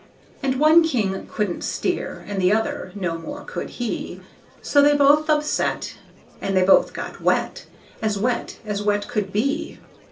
And one king couldn't steer, And the other, no more could he; So they both upset And they both got wet, As wet as wet could be.